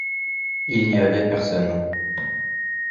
Il n'y avait personne